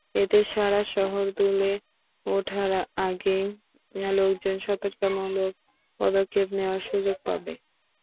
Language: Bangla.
এতে সারা শহর দুলে ওঠার আগেই লোকজন সতর্কতামূলক পদক্ষেপ নেওয়ার সুযোগ পাবে।